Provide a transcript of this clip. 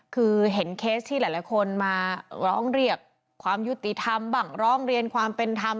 คือเห็นเคสที่หลายคนมาร้องเรียกความยุติธรรมบ้างร้องเรียนความเป็นธรรม